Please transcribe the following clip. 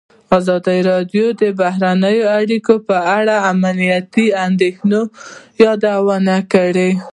ازادي راډیو د بهرنۍ اړیکې په اړه د امنیتي اندېښنو یادونه کړې.